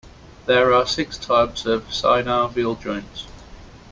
There are six types of synovial joints.